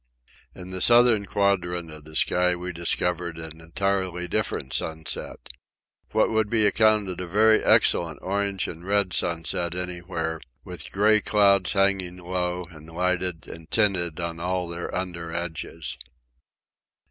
In the southern quadrant of the sky we discovered an entirely different sunset—what would be accounted a very excellent orange and red sunset anywhere, with grey clouds hanging low and lighted and tinted on all their under edges.